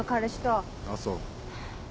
ああそう。